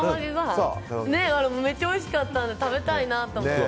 めっちゃおいしかったので食べたいなと思って。